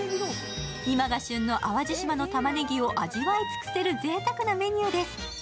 今が旬の淡路島のたまねぎを味わい尽くせるぜいたくなメニューです。